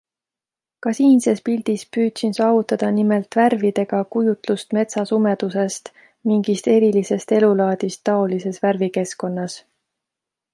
Ka siinses pildis püüdsin saavutada nimelt värvidega kujutlust metsa sumedusest, mingist erilisest elulaadist taolises värvikeskkonnas.